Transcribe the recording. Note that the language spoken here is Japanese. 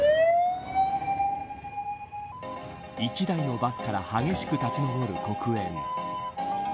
１台のバスから激しく立ち昇る黒煙。